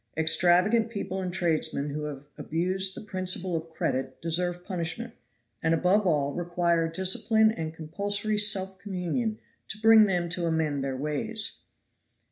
Extravagant people and tradesmen who have abused the principle of credit, deserve punishment, and above all require discipline and compulsory self communion to bring them to amend their ways."